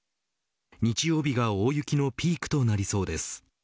日曜日が大雪のピークとなりそうです。